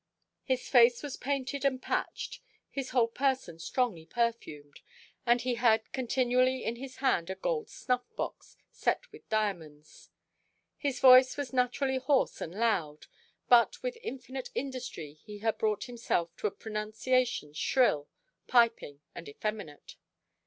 His face was painted and patched, his whole person strongly perfumed, and he had continually in his hand a gold snuff box set with diamonds. His voice was naturally hoarse and loud, but with infinite industry he had brought himself to a pronunciation shrill, piping, and effeminate.